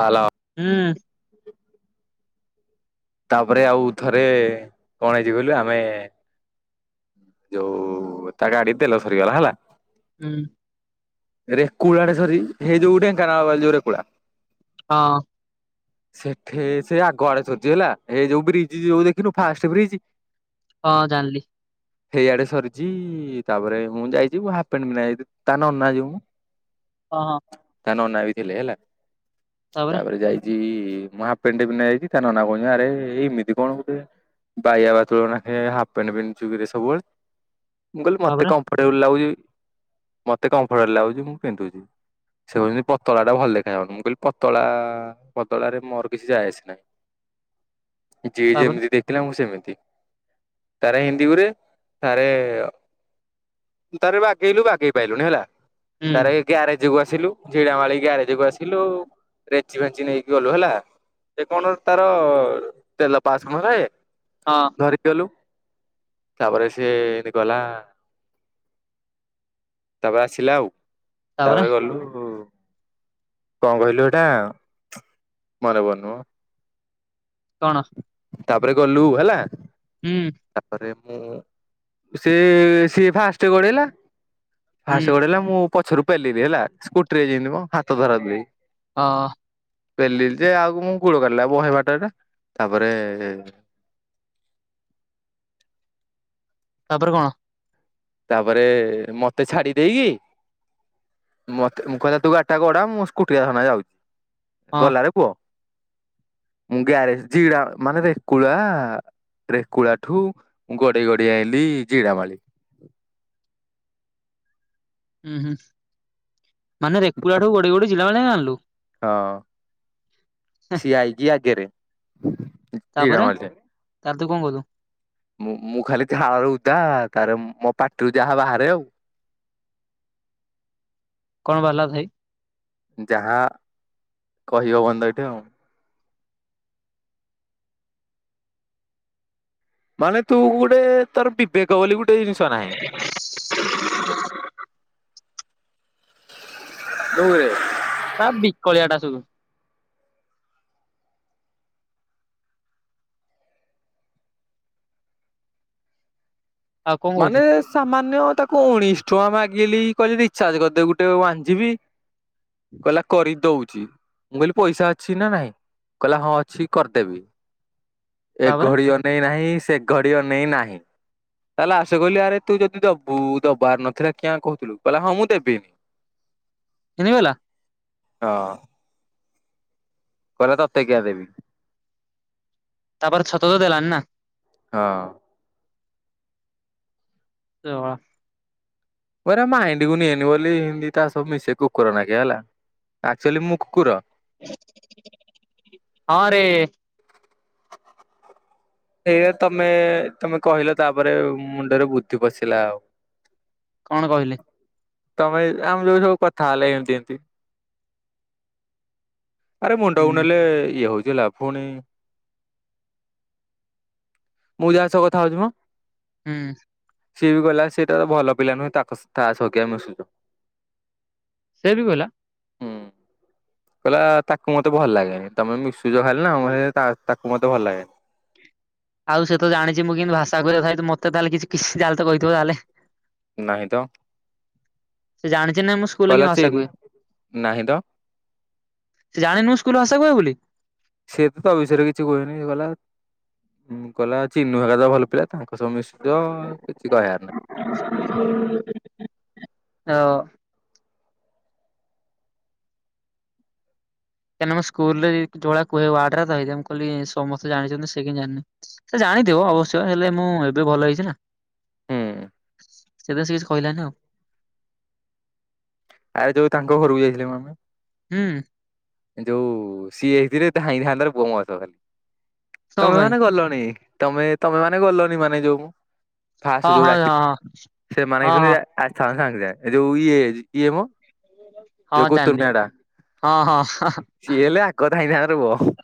Hello. ହୁଁ। ତାପରେ ଆଉ ଥରେ କଣ ହେଇଚି କଇଲୁ ଆମେ। ଯୋଉ ତା ଗାଡି ତେଲ ସରିଗଲା ହେଲା। ହୁଁ। ରେକୁଳା ଡେ ସରି ହେଇ ଯୋଉ ଢେଙ୍କାନାଳ ପାଖେ ଯୋଉ ରେକୁଳା। ହଁ। ସେଠେ ସେ ଆଗ ଆଡେ ସରିଛି ହେଲା। ହେ ଯୋଉ ବ୍ରିଜ ଯୋଉ ଦେଖିନୁ ଫାଷ୍ଟ ବ୍ରିଜ୍। ହଁ ଜାଣିଲି। ସେଇଆଡ଼େ ସରିଛି ତାପରେ ମୁଁ ଯାଇଛି ମୁ ହାଫ୍ ପେଣ୍ଟ ପିନ୍ଧା ଯାଇଚି ତା ନନା ଯେଉଁ। ହଁ ହଁ। ତା ନନା ବି ଥିଲେ ହେଲା ତାପରେ ଯାଇ। ଚି ମୁଁ ହାପ ପେଣ୍ଟେ ଟେ ପିନ୍ଧା ଯାଇଛି ତା ନନା କହୁଚନ୍ତି ଆରେ। ଏ ଏମିତି କଣ ଗୋଟେ ବାଇଆ ବାତୁଳ ନେଖେ ହାପ ପେଣ୍ଟ ପିନ୍ଧୁଚୁ କିରେ ସବୁ ବେଳେ। ମୁଁ କଇଲି ମତେ ତାପରେ କମ୍ଫଟେବୁଲ ଲାଗୁଛି ମତେ କମ୍ଫର୍ଟେବଲ ଲାଗୁଛି ମୁଁ ପିନ୍ଧୁଛି। ସେ କହୁଛନ୍ତି ପତଳାଟା ଭଲ ଦେଖା ଯାଉନୁ ମୁଁ କହିଲି ପତଳା ପତଳାରେ ମୋର କିଛି ଯାଏ ଆସେ ନାହିଁ। ଯିଏ ତାପରେ ଯେମିତି ଦେଖିଲା ମୁଁ ସେମିତି ତାରେ ଇଁତି ଗୁରେ ତାରେ। ତାରେ ବାଗେଇଲୁ ବାଗେଇ ପାଇଲୁନି ହେଲା ହୁଁ ତାରେ ଗ୍ୟାରେଜ କୁ ଆସିଲୁ। ଝିଡା ମାଳି ଗ୍ୟାରେଜ କୁ ଆସିଲୁ ରେଞ୍ଚି ଫେଞ୍ଚି ନେଇକି ଗଲୁ ହେଲା। ଏ କଣ ଗୋଟେ ତାର ତେଲ ପାସ କଣ ଥାଏ। ହଁ। ଦେଲୁ ତାପରେ ସିଏ ଏଁତି ଗଲା। ତାପରେ ଆସିଲା ଆଉ ତାପରେ ଗଲୁ। କଣ କହିଲୁ ହେଇଟା ମନେ ପଡୁନି ମ। କଣ। ତାପରେ ଗଲୁ ହେଲା। ହୁଁ। ତାପରେ ମୁଁ ସେ ସିଏ ଫାଷ୍ଟ ଗଢେଇଲା। ହୁଁ ଫାଷ୍ଟ ଗଡେଇଲା ମୁଁ ପଛରୁ ପେଲିିଲି ହେଲା ସ୍କୁଟିରେ ଯିଁତି ମ ହାତ ଧରା ଧରି ହେଇ। ହଁ। ପେଲିଲି ଯେ ଆଗୁ କୁ ମୋ ଗୋଡ କାଟିଲା ବହେ ବାଟ ହେଟା ତାପରେ। ତାପରେ କଣ। ତାପରେ ମତେ ଛାଡି ଦେଇକି। ମତେ ମୁଁ କଇଲା ତୁ ଗାଡି ଟା ଗୁଡା ମୁଁ ସ୍କୁଟି ଟା ସମାଳି ଯାଉଛି। ହଁ ଗଲାାରେ ପୁଅ ମୁଁ ଗ୍ୟାରେଜ ଜିଡା ମାନେ ରେକୁଳା। ରେକୁଳା ଠୁ ମୁଁ ଗଡେଇ ଗଡେଇ ଆଇଲିି ଜିଡାମାଳି। ଉୁଁ ହୁଁ ମାନେ ରେକୁଳା ଠୁ ଗଡେଇ ଗଡେଇ ଜିଡାମାଳି ଯାକେ ଆଣିଲୁ। ହଁ ସିଏ ଆଇକି ଆଗେରେ। ତାପରେ ତାରେ ତୁ କଣ କଲୁ। ମୁଁ ମୁଁ ଖାଲି ଝାଳରେ ଉଦା ତାରେ ମୋ ପାଟିରୁ ଯାହା ବାହାରେ ଆଉ। କଣ ବାହାରିଲା ଥାଇ। ଯାହା କହି ହବନି ତ ଏଠେ ଆଉ। ମାନେ ତୁ ଗୁଟେ। ତୋର ବିବେକ ବୋଲି ଗୋଟେ ଜିନିଷ ନାହିଁ। ଢୁଙ୍ଗୁରେ। ତା ବିକଳିଆ ଟା ସୁଦୁ। ଆଉ କଣ କହୁଛୁ ମାନେ ସାମାନ୍ୟ ତାକୁ ଉଣେଇଶି ଟଙ୍କା ମାଗିଲି, କଇଲି ରିଚାର୍ଜ କରିଦେ ଗୋଟେ ୱାନ୍ ଜି ବି କହିଲା କରିଦଉଛି। ମୁଁ କହିଲି ପଇସା ଅଛି ନା ନାଇଁ, କହିଲା ହଁ ଅଛି କରିଦେବି। ଏ ତାପରେ ଘଡି ଅନେଇ ନାହିଁ, ସେ ଘଡି ଅନେଇ ନାହିଁ। ତାହେଲେ ଆସେ କହି ଆରେ ତୁ ଯଦି ଦବୁ ଦବାର ନଥିଲା କିଆଁ କହୁଥିଲୁ, କହିଲା ହଁ ମୁଁ ଦେବି। [unintelligible] ହଁ। କହିଲା ତତେ କିିଆଁ ଦେବି? ତାପରେ ସତକୁ ଦେଲାନି ନା? ହଁ। [unintelligible] ପରା ମାଇଣ୍ଡିକୁୁ ନିଏନି ବୋଲି, ହିନ୍ଦୀ ତା ସହ ମିଶେ କୁକୁର ନାଗେ ହେଲା ଆକ୍ଚୁଆଲି ମୁଁ କୁକୁର। ହଁରେ। ଏଇରା ତମେ, ତମେ କହିଲ ତାପରେ ମୁଣ୍ଡରେ ବୁଦ୍ଧି ପଶିଲା ଆଉ। କଣ କହିଲି? ତମେ, ଆମେ ଯୋଉ ସବୁ କଥା ହେଲା ଏମିତି ଏମିତି। ଆରେ ମୁଣ୍ଡକୁ ହୁଁ ନେଲେ ଇଏ ହଉଚି ହେଲା, ଫୁଣି ମୁଁ ଯାହା ସହ କଥା ହଉଛି ମ ହୁଁ। ସିଏ ବି କହିଲା ସେଇଟା ତ ଭଲ ପିଲା ନୁହେଁ, ତାଙ୍କ ତା ସହ କିଆ ମିଶୁଚୁ। ସେ ବି କହିଲା। ହୁଁ। କହିଲା ତାକୁ ମତେ ଭଲ ଲାଗେନି, ତମେ ମିଶୁଚ ଖାଲି ନା ତାକୁ ମତେ ଭଲ ଲାଗେନି। ଆଉ ସେ ତ ଜାଣିଛି ମୁଁ କିନ୍ତୀ ଭାସା କହେ, ତଥାପି ମୋତେ [unintelligible] ତାହେଲେ କିଛି କହିଥିବ ତାହେଲେ? ନାହିଁ ତ ସେ ଜାଣିଛି ନାଇଁ ମୁଁ ସ୍କୁଲ କହିଲା କିନ୍ତି ଭାସା ଚିନ୍ କୁହେ। ନାହିଁ ତ ସେ ଜାଣିନି ମୁଁ ସ୍କୁଲରେ ଭାଷା କୁହେ ବୋଲି? ସେ ତ ତୋ ବିଷୟରେ କିଛି କୁହେନି, କଇଲା ଉଁ କଇଲା ଚିନୁ ହେରିକା ତ ଭଲ ପିଲା। ତାଙ୍କ ସହ ମିଶୁଥିବ କିଛି କହିଆର ନାହିଁ। ହଁ। କାଇଁକି ନା ମୁଁ ସ୍କୁଲ୍ ରେ ଯୋଉ ଭଳିଆ କୁହେ ୱାର୍ଡ଼ ଗୁରା ତ, ସେଥିପାଇଁ ମୁଁ କହିଲି ସମସ୍ତେ ଜାଣିଛନ୍ତି ସେ କେମିତି ଜାଣିନି? ସେ ଜାଣିଥିବ ଅବଶ୍ୟ, ହେଲେ ମୁଁ ଏବେ ଭଲ ହେଇଛି ନା। ହୁଁ ସେଥିପାଇଁ ସେ କିଛି କହିଲାନି ଆଉ। ଆରେ ଯୋଉ ତାଙ୍କ ଘରକୁ ଯାଇଥିଲୁ ବା ଆମେ। ହୁଁ। ଯୋଉ ସିଏ ହେଇଥିଲେ ଧାଇଥାନ୍ତ [unintelligible] ତମେ ତୋ ତମେ ପାଇଁ ମାନେ ଗଲନି, ମାନେ ଯୋଉ ଫାଷ୍ଟ ହଁ ଯୋଉ ହଁ ହଁ ଡାକ ସେମାନେ ହଁ ହଁ ହେଇଥିଲେ ହଁ ଆସିଥାନ୍ତ ସାଙ୍ଗେ ସାଙ୍ଗେ ଯୋଉ ଇଏ, ଇଏ ମ ହଁ ଯୋଉ ଜାଣିଲି, କୁତୁନିଆ ଟା ହଁ- ହଁ। ସିଏ ହେଲେ ଆଗ ଧାଇଁ ଥାଆନ୍ତା ରେ ପୁଅ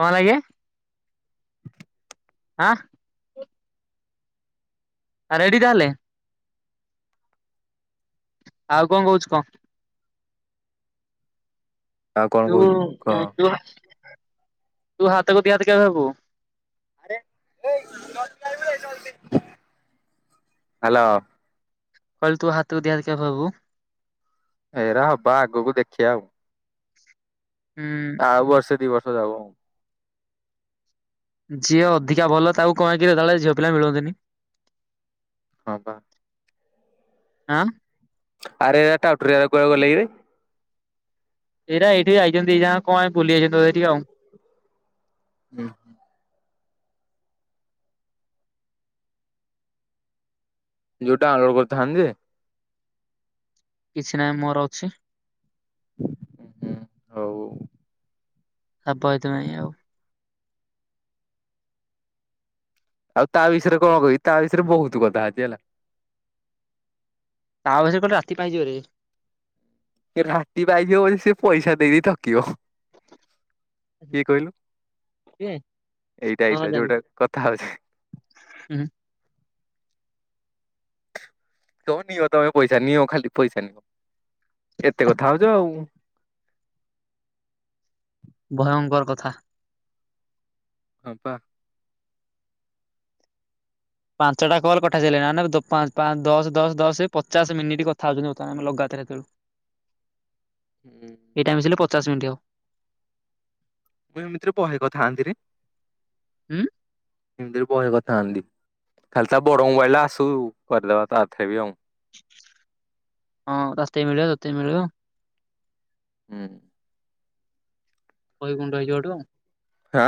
କଣ ହେଲା ଇଏ? ଆଁ। ଆ ରେଡ଼ି ତାହେଲେ। ଆଉ କଣ କହୁଛୁ କହ? ଆଉ କଣ କହୁଛୁ କହ ତୁୁ- ତୁ ହାତ, ତୁ ହାତକୁ ଦି ହାତ କେବେ ହବୁ? ହ୍ୟାଲୋ। କହିଲୁ ତୁ ହାତକୁ ଦିହାତ କେବେ ହବୁ? ଏଇରା ହବା ଆଗକୁ ଦେଖିବା ଆଉ। ହୁଁ ଆଉ ବର୍ଷେ ଦି ବର୍ଷ ଯାଉ। ଯିଏ ଅଧିକା ଭଲ ତାକୁ କଣ କିରେ, କାଳେ ଝିଅ ପିଲା ମିଳନ୍ତିନି। ହଁ ବା। ଆଁ। ଆରେ ଏ ଟାଉଟରିଆ ଗୁଡ଼ା କୁଆଡେ ଗଲେକିରେ? ଏଇରା ଏଠି ଯାଇଛନ୍ତି ଦିଯାଙ୍କ କଣ ପାଇଁ ବୁଲି ଯାଇଛନ୍ତି ତ ଏଠିକି ଆଉ। ହୁଁ ଯୋଉଟା ଅଲୋଡ କରିଥାନ୍ତି ଯେ। କିଛି ନାହିଁ ମୋର ଅଛି। ହୁଁ ହୁଁ ହଉ ହଉ। ତାପ ରେତ ନାହିଁ ଆଉ। ଆଉ ତା ବିଷୟରେ କଣ କିବି ତା ବିଷୟରେ ବହୁତୁ କଥା ଅଛି ହେଲା। ତା ବିସୟରେ କହିଲେ ରାତି ପାଇଁ ଯିବରେ ରାଟି ପାଇଯିବ ପଚକେ ସେ ପଇସା ଦେଇ ଦେଇ ଥକିବ। କିଏ କହିଲୁ ଏ ହଁ ଏଇଟାଇଟା ଜାଣିଲି ଯୋଉଟା କଥା ହଉଛି। ହୁଁ ତ ନିଅ ତମେ ପଇସା ନିଅ ଖାଲି ପଇସା ନିଅ ଏତେ କଥା ହଉଛ ଆଉ। ଭୟଙ୍କର କଥା। ହଁ ପା। ପାଞ୍ଚଟା କଲ କଥା ହୋଇସାରିଲେଣି ନା ଦଶ ଦଶ ଦଶ ପଚାଶ ମିନିଟ୍ କଥା ହଉଛନ୍ତି ଲଗାତାର। [inaudible] ହୁଁ। ଏଇଟା ମିିଶିଲେ ପଚାଶ ମିନିଟ୍ ହେବ। ମୁଁ ଏମିତିରେ ବହେ କଥା ହୁଅନ୍ତିରେ। ହୁଁ। ଏମିତିରେ ବହେ କଥା ହୁଅନ୍ତି ଖାଲି ତା ବଡ ମୋବାଇଲିଟା ଆସୁ କରିଦବା ତାଥିରେ ବି ଆଉ। ହଁ ରାସ୍ତା ମିଳିବ ତତେ ମିଳିବ। ହୁଁ। ବହି ଗୁଣ୍ଡ ହେଇଯିବ ହେଇଟୁ। ହଁ।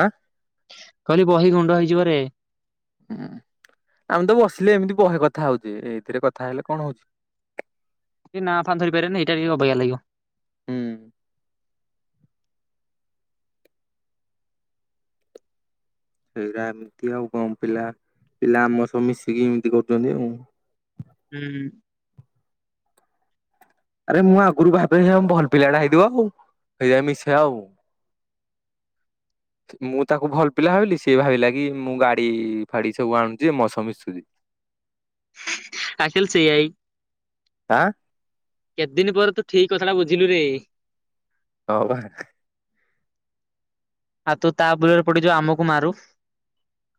କହିଲି ବହି ଗୁଣ୍ଡ ହେଇଯିବରେ। ହୁଁ ଆମେ ତ ବସିଲେ ଏମିତି ବେ କଥା ହଉଛେ ଏଇଥିରେ କଥା ହେଲେ କଣ ହଉଛି। ନା ଫା ଧରି ପାରିବାନି ଏଇଟା ବି ଅବାଗିଆ ଲାଗିବ। ହୁଁ। ସେଇଟା ଏମିତି ଆଉ କଣ ପିଲା ପିଲା ଆମ ସହ ମିଶିକି ଏମିତି କରୁଛନ୍ତି ଆଉ। ହୁଁ। ଆରେ ମୁଁ ଆଗରୁ ଭାବେ ଭଲ ପିଲା ଟା ହେଇଥିବ ଆଉ ହେଇଯାଏ ମିଶେଇ ଆଉ। ମୁଁ ତାକୁ ଭଲ ପିଲା ଭାବିଲି ସିଏ ଭାବିଲା କି ମୁଁ ଗାଡି ଫାଡି ସବୁ ଆଣୁଛି ମୋ ସହ ମିଶୁଛି। ଆକ୍ଚୃଆଲି ସେଆାଇ ଆଁ କେତେ ଦିନି ପରେ ତୁ ଠିକ୍ କଥାଟା ବୁଝିଲୁରେ? ହଁବା। ଆଉ ତୁ ତା ବୁଲରେ ପଡି ଯୋଉ ଆମକୁ ମାରୁ?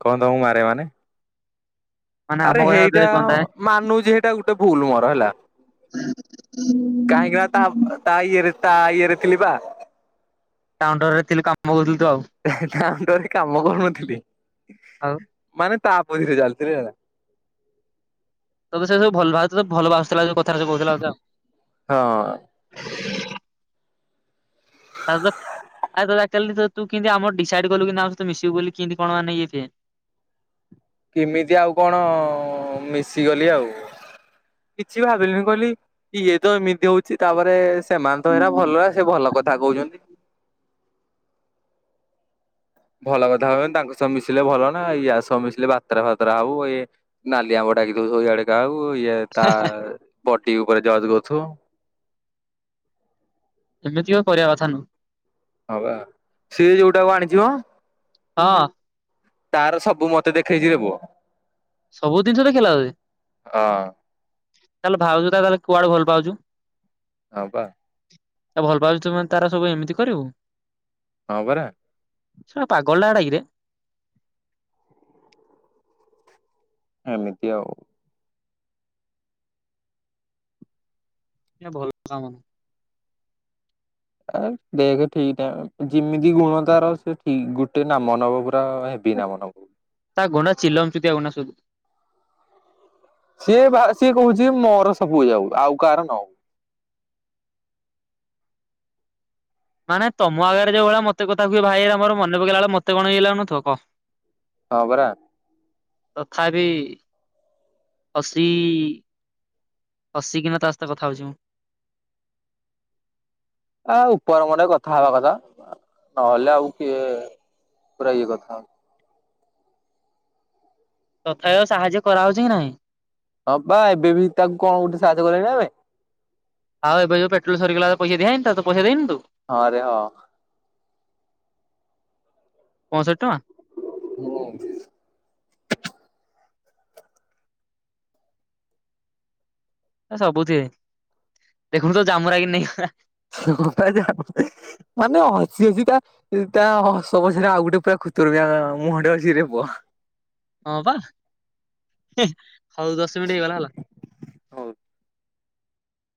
କଣ ତମକୁ ମାରେ ମାନେ ମାନେ ଆମ ଆରେ କଥା ହେଇଟା ତତେ ଗନ୍ଧାଏ। ମାନୁଛି ସେଇଟା ଗୋଟେ ଭୁଲ ମୋର ହେଲା। କାହିଁକି ନା ତା ତା ଇଏରେ ତା ଇଏରେ ଥିଲି ବା। ତା ଅଣ୍ଡରରେ ଥିଲି କାମ କରୁଥିଲି। ତା ଅଣ୍ଡରରେ କାମ କରୁନଥିଲି ଆଉ ମାନେ ତା ପରେ ଚାଲିଥିଲେ ହେଲା। ତତୋ ସେ ସବୁ ଭଲ ଭାବ ଭଲ ଭାବୁଥିଲା କଥାରେ ସ କହୁଥିଲା ଆଉ। ହଁ। ଆତ ଅକ୍ଟ୍ୟୁଲି ତୁ କିନ୍ତି ଆମର୍ ଡିସାଇଡ୍ କଲୁ ଆମ ସହିତ ମିଶିବୁ ବୋଲି କିିନ୍ତି କଣ ମାନେ ଇଏ କେମିତି ଆଉ କଣ ମିଶିଗଲି ଆଉ। କିଛି ବି ଭାବିଲିନି କହିଲି ଇଏ ତ ଏମିତି ହୋଉଛି ତାପରେ ସେମାନେ ତ ଏରା ଭଲଏ ସେ ଭଲ କଥା କୋହୁଛନ୍ତି। ଭଲ କଥା ହବେନି ତାଙ୍କ ସହ ମିଶିଲେ ଭଲ ନା। ୟାସ ମିଶିଲେ ବାତ୍ରା ଫାତ୍ରା ହେବୁ ଏ ନାଲିଆମ୍ବଡାକି ଦଉଥିବ ଇଆଡେ କାହାକୁ ଇଏ ତା ବଡି ଉପରେ ଜଯ କରୁଥିବ। ଏମିତି ଓ କରିବା କଥା ନୁହଁ। ହବା ସିଏ ଯୋଉଟାକୁ ଆଣିଚି ମ। ହଁ। ତାର ସବୁ ମତେ ଦେଖେଇଛିରେ ପୁଅ। ସବୁ ଜିନିଷ ଦେଖେଇଲା ତୋତେ ହଁ ତାହେଲେ ଭାଉଜ୍ ତାହେଲେ କୁଆଡେ ଭଲ ପାଉଛୁ। ହଁ ପା। ତା ଭଲପାଉଛୁ ତୁ ତାର ସବୁ ଏମିତି କରିବୁ। ହଁ ପରା। ସଳା ପାଗଳଟା ହେଟା କିରେ। ଏମିତି ଆଉ। ଏ ଭଲ କାମ ଆ ଦେଖ ଠିକ ଟାଇମରେ ଯେମିତି ଗୁଣ ତାର ସେ ଠିକ ଗୋଟେ ନାମ ନବ ପୁରା ହେବ। କି ନାମ ନବ? ତା ଗୋଡ଼ ଚିଲମଚୁତିଆ ଘନାଶୁତ ସିଏ ବା ସିଏ କହୁଚି ମୋର ସବୁ ଯାଉ ଆଉ କାହାର ନହଉ ମାନେ ତମ ଆଗରେ ଯୋଉଭଳିଆ ମତେ କଥାକୁହେ ଭାଇ ଏରା ମୋର ମନେପକେଇଲାବଳୁ ମତେ କଣ ଇଏ ଲାଗୁନଥିବ କହ ହଁ ପରା ତଥାପି ହସି ହସିକିନା ତାସହିତ କଥା ହଉଛି ମୁଁ ଆ ଉପର ମନେ କଥାହବା କଥା ନହେଲେ ଆଉ କିଏ ପୁରା ଇଏ କଥା ତଥା ୟ ସାହାଯ୍ୟ କରାହଉଛି କି ନାଇଁ? ହଁପା ଏବେବି ତାକୁ କଣ ଗୋଟେ ସାହାଯ୍ୟ। [unintelligible] ଆଉ ଏବେ ଯଉ ପେଟ୍ରୋଲ ସରିଗଲା ପଇସା ଦିଆହେଇନିତ ପଇସା ଦେଇନୁ ତୁ ତାକୁ ହଁରେ ହଁ ପଅଷୋଠି ଟଙ୍କା। [unintelligible] ଏ ସବୁଥିରେ ଦେଖୁନୁ ତୋ ଜାମୁରା କେମିତି ନେଇଗଲା। [unintelligible] ମାନେ ହସି ହସିକା ତା ହସ ପଛରେ ଆଉ ଗୋଟେ ପୁରା ଖୁତୁୁରୁମିଆଁ ମୁହଁଟେ ଅଛି ରେ ପୁଅ। ହଁପା ହଉ ଦଶ ମିନିଟ ହେଇଗଲା ହେଲା ହଉ